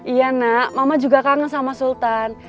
iya nak mama juga kangen sama sultan